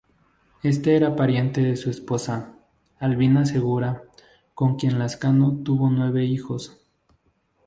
Éste era pariente de su esposa, Albina Segura, con quien Lascano tuvo nueve hijos.